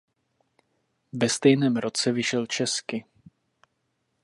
Ve stejném roce vyšel česky.